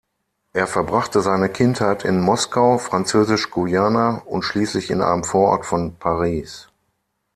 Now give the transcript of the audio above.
Er verbrachte seine Kindheit in Moskau, Französisch-Guayana und schließlich in einem Vorort von Paris.